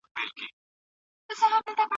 خپل اقتصادي نظام مو نور هم پياوړی کړئ.